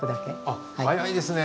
あ早いですね。